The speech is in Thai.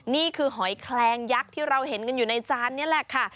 หอยแคลงยักษ์ที่เราเห็นกันอยู่ในจานนี่แหละค่ะ